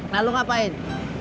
nah lu ngapain